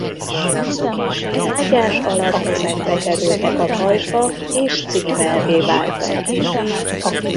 Mátyás alatt ezek bekerültek a pajzsba és címerré váltak.